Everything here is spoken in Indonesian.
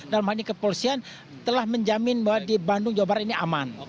dalam hal ini kepolisian telah menjamin bahwa di bandung jawa barat ini aman